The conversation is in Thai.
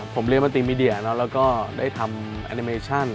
ผมเรียนดนตรีมีเดียแล้วแล้วก็ได้ทำแอนิเมชั่น